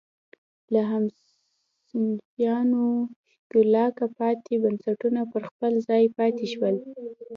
له هسپانوي ښکېلاکه پاتې بنسټونه پر خپل ځای پاتې شول.